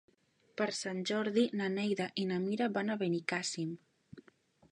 Per Sant Jordi na Neida i na Mira van a Benicàssim.